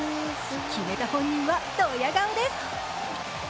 決めた本人はドヤ顔です。